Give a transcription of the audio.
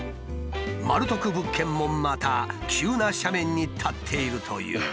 マル得物件もまた急な斜面に立っているという。